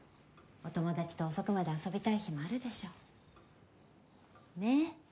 お友達と遅くまで遊びたい日もあるでしょう。ねぇ？